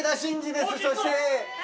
そして。